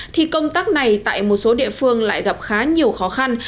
thì công tác này tại một số địa phương lại gặp khá nhiều khó khăn